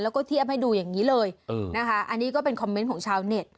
แล้วก็เทียบให้ดูอย่างนี้เลยนะคะอันนี้ก็เป็นคอมเมนต์ของชาวเน็ต